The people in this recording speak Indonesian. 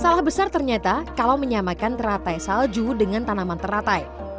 salah besar ternyata kalau menyamakan teratai salju dengan tanaman teratai